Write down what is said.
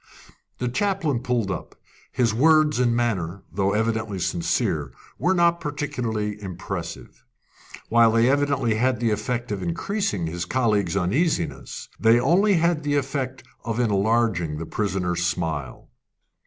The chaplain pulled up. His words and manner, though evidently sincere, were not particularly impressive. While they evidently had the effect of increasing his colleagues' uneasiness, they only had the effect of enlarging the prisoner's smile.